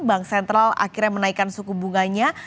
bank sentral akhirnya menaikkan suku bunganya